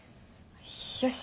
よし。